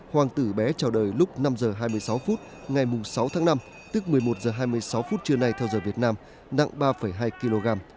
hoàng tử bé chào đời lúc năm h hai mươi sáu phút ngày sáu tháng năm tức một mươi một h hai mươi sáu phút trưa nay theo giờ việt nam nặng ba hai kg